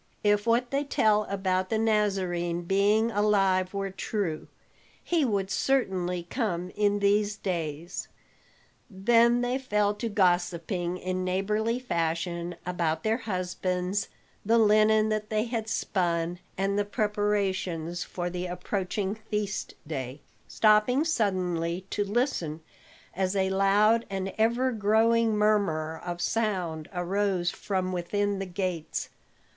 If what they tell about the Nazarene being alive were true, he would certainly come in these days." Then they fell to gossiping in neighborly fashion about their husbands, the linen that they had spun, and the preparations for the approaching feast day, stopping suddenly to listen as a loud and ever growing murmur of sound arose from within the gates.